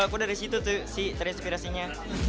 aku dari situ tuh si inspirasinya